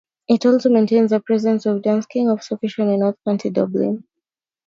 It also maintains a presence at Dunsink Observatory in north County Dublin.